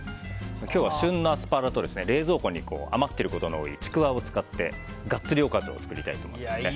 今日は旬のアスパラと冷蔵庫に余っていることが多いちくわを使ってガッツリおかずを作りたいと思います。